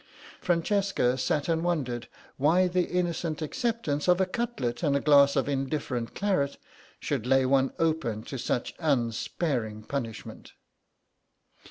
Francesca sat and wondered why the innocent acceptance of a cutlet and a glass of indifferent claret should lay one open to such unsparing punishment.